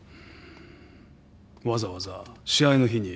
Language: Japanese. わざわざ試合の日に？